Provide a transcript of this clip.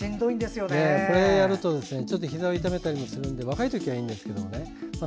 これをやるとひざを痛めたりするので若い時はいいんですが。